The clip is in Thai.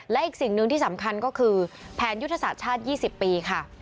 และอีกสิ่งหนึ่งที่สำคัญก็คือแผนยุทธศาสตร์ชาติ๒๐ปีค่ะ